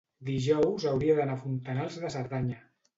dijous hauria d'anar a Fontanals de Cerdanya.